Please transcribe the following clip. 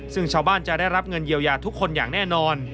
ซึ่งชาวบ้านจะได้รับเงินเยียวยาทุกคนอย่างแน่นอน